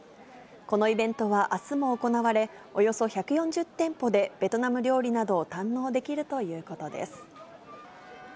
このイベントはあすも行われ、およそ１４０店舗で、ベトナム料理などを堪能できるということです。